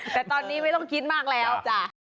แต่ตอนนี้ไม่ต้องคิดมากแล้วจ้ะ